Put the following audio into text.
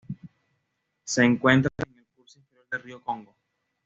Se encuentra en el curso inferior del río Congo.